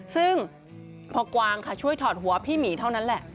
ซึ่งพอกวางค่ะช่วยถอดหัวพี่หมีเท่านั้นแหละ